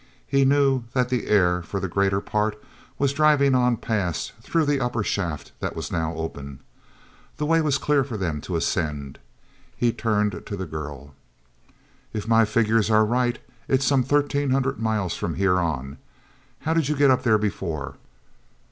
He knew that the air, for the greater part, was driving on past through the upper shaft that was now open. The way was clear for them to ascend. He turned to the girl. f my figures are right, it's some thirteen hundred miles from here on. How did you get up there before?"